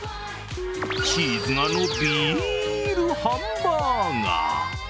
チーズが伸びるハンバーガー。